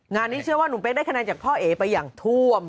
นี้เชื่อว่าหนุ่มเป๊กได้คะแนนจากพ่อเอ๋ไปอย่างท่วม